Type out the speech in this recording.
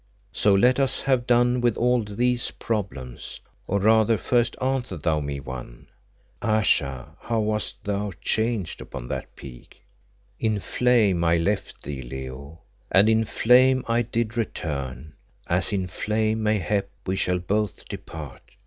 So let us have done with all these problems, or rather first answer thou me one. Ayesha, how wast thou changed upon that peak?" "In flame I left thee, Leo, and in flame I did return, as in flame, mayhap, we shall both depart.